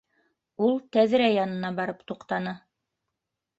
Ул тәҙрә янына барып туҡтаны.